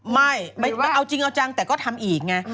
ไม่เอาจริงเอาจังแต่ก็ทำอีกไง